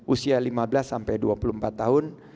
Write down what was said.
usia lima belas sampai dua puluh empat tahun